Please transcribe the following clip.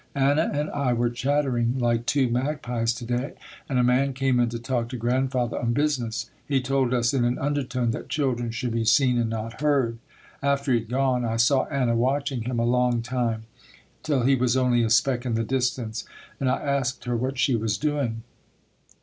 Anna and I were chattering like two magpies to day, and a man came in to talk to Grandfather on business. He told us in an undertone that children should be seen and not heard. After he had gone I saw Anna watching him a long time till he was only a speck in the distance and I asked her what she was doing.